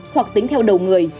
hoặc tính theo đầu người